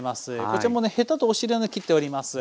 こちらもねヘタとお尻は切っております。